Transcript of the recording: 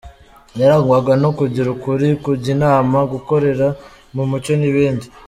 Yarangwaga no kugira ukuri, kujya inama, gukorera mu mucyo n’ibindi.